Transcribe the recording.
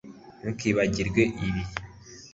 ntukibagirwe ibi